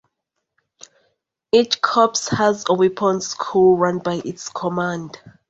Each corps has a weapons school run by its command.